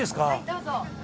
どうぞ。